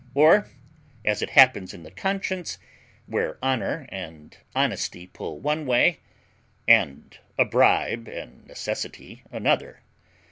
Or, as it happens in the conscience, where honour and honesty pull one way, and a bribe and necessity another.